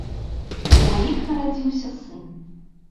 У іх нарадзіўся сын.